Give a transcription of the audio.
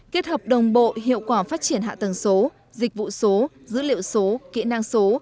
kết hợp đồng bộ hiệu quả phát triển hạ tầng số dịch vụ số dữ liệu số kỹ năng số